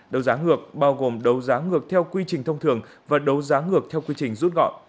đấu giá ngược bao gồm đấu giá ngược theo quy trình thông thường và đấu giá ngược theo quy trình rút gọn